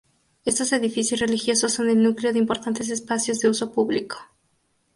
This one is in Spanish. Estos edificios religiosos son el núcleo de importantes espacios de uso público.